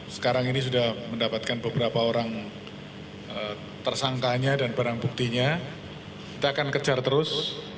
sekarang ini sudah mendapatkan beberapa orang tersangkanya dan barang buktinya kita akan kejar terus